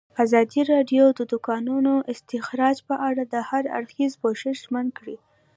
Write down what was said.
ازادي راډیو د د کانونو استخراج په اړه د هر اړخیز پوښښ ژمنه کړې.